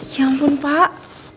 ya ampun pak